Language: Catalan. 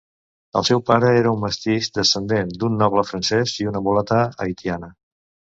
El seu pare era un mestís descendent d'un noble francès i una mulata haitiana.